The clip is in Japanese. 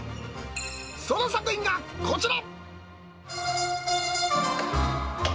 その作品がこちら。